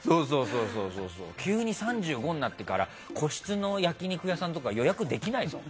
急に、３５になってから個室の焼き肉屋さんとか予約できないぞ。